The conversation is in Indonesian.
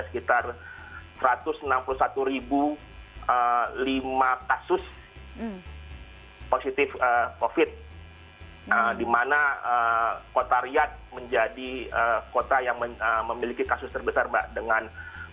satu ratus enam puluh satu lima kasus positif covid di mana kota riyad menjadi kota yang memiliki kasus terbesar mbak dengan empat puluh tiga sembilan ratus sembilan puluh lima